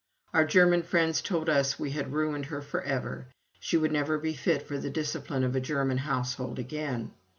Our German friends told us we had ruined her forever she would never be fit for the discipline of a German household again.